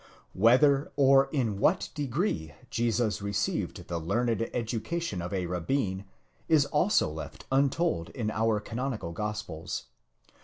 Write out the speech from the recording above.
Whether or in what degree Jesus received the learned education of a rabbin, is also left untold in our canonical Gospels.